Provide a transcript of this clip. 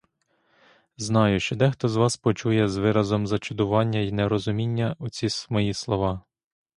Знаю, що дехто з вас почує з виразом зачудування й нерозуміння оці мої слова.